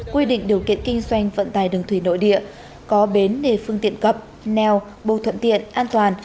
quy định điều kiện kinh doanh vận tài đường thủy nội địa có bến để phương tiện cập neo bầu thuận tiện an toàn